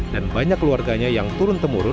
dan banyak keluarganya yang turun temurun